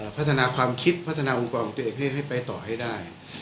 พัฒนาความคิดพัฒนาองค์กรของตัวเองให้ไปต่อให้ได้